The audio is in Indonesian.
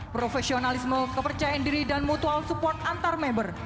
profesionalisme kepercayaan diri dan mutual support antar member